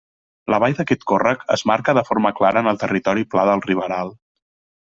La vall d'aquest còrrec es marca de forma clara en el territori pla del Riberal.